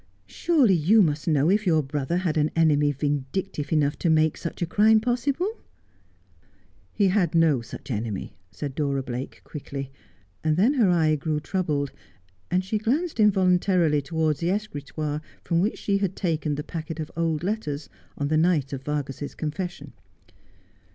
Surely you must know if your brother had an enemy vindictive enough, to make such a crime possible 1 '' He had no such enemy,' said Dora Blake quickly, and then her eye grew troubled, and she glanced involuntarily towards the escritoire from which she had taken the packet of old letters on the night of Vargas's confession.